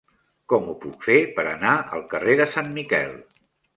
Com ho puc fer per anar al carrer de Sant Miquel?